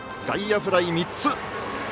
外野フライ３つ。